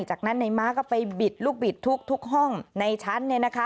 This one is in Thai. จากนั้นในม้าก็ไปบิดลูกบิดทุกห้องในชั้น